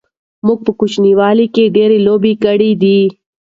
موږ په کوچنیوالی ډیری لوبی کړی دی